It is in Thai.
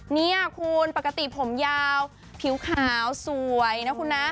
นี่คุณปกติผมยาวผิวขาวสวยนะคุณนะ